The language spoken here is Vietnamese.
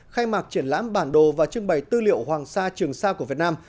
khai mạc triển lãm bản đồ và trưng bày tư liệu hoàng sa trường sa của việt nam